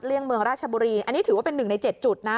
เลี่ยงเมืองราชบุรีอันนี้ถือว่าเป็น๑ใน๗จุดนะ